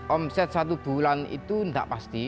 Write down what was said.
omset satu bulan itu tidak pasti